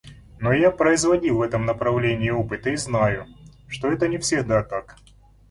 Но я производил в этом направлении опыты и знаю, что это не всегда так.